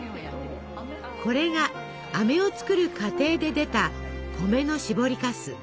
これがあめを作る過程で出た米のしぼりかす。